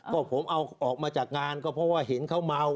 ก็ผมเอาออกมาจากงานก็เพราะว่าเห็นเขาเมา